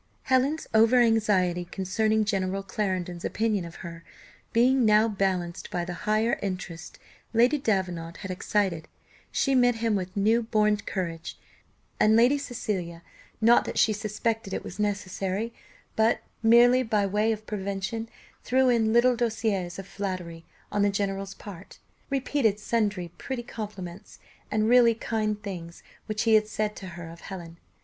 Helen's over anxiety concerning General Clarendon's opinion of her, being now balanced by the higher interest Lady Davenant had excited, she met him with new born courage; and Lady Cecilia, not that she suspected it was necessary, but merely by way of prevention, threw in little douceurs of flattery, on the general's part, repeated sundry pretty compliments, and really kind things which he had said to her of Helen.